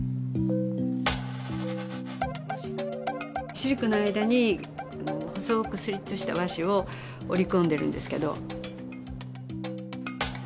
シルクの間に細くスリットした和紙を織り込んでるんですけど。